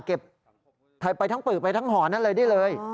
เก็บถ่ายไปทั้งปือไปทั้งหอนั่นเลยได้เลย